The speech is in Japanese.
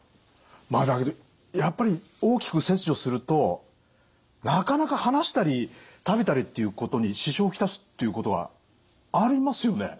だけどやっぱり大きく切除するとなかなか話したり食べたりっていうことに支障を来すっていうことはありますよね？